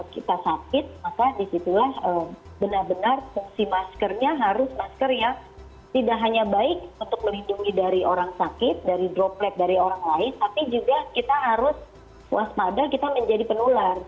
kita sakit maka disitulah benar benar fungsi maskernya harus masker yang tidak hanya baik untuk melindungi dari orang sakit dari droplet dari orang lain tapi juga kita harus waspada kita menjadi penular